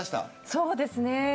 そうですね。